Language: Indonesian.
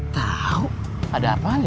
tahu ada apa aja